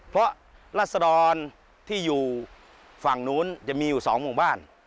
เพราะรัศดรที่อยู่ฝั่งนู้นจะมีอยู่๒หมู่บ้าน